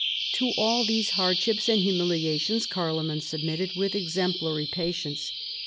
To all these hardships and humiliations Carloman submitted with exemplary patience.